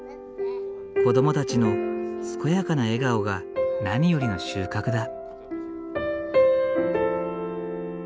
子どもたちの健やかな笑顔が何よりの収穫だ。